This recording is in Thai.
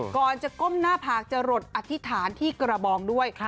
ก่อนจะก้มหน้าผากจะหลดอธิษฐานที่กระบองด้วย